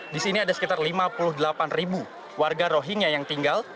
di sini ada sekitar lima puluh delapan ribu warga rohingya yang tinggal